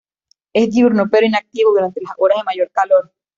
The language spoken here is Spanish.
Es diurno, pero inactivo durante las horas de mayor calor.